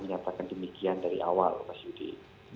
menyatakan demikian dari awal mas yudi